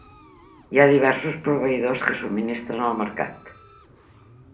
Hi ha diversos proveïdors que subministren el mercat.